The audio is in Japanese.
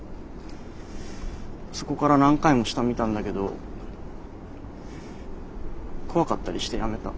そこから何回も下見たんだけど怖かったりしてやめた。